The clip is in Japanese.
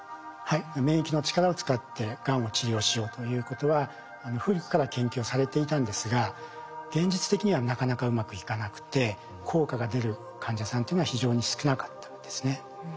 免疫の力を使ってがんを治療しようということは古くから研究されていたんですが現実的にはなかなかうまくいかなくて効果が出る患者さんというのは非常に少なかったんですね。